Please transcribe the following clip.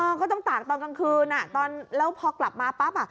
เออก็ต้องตากตอนกลางคืนแล้วพอกลับมาปั๊บ